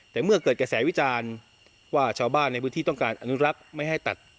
แต่เมื่อเกิดกระแสวิจารณ์ว่าชาวบ้านในพื้นที่ต้องการอนุรักษ์ไม่ให้ตัด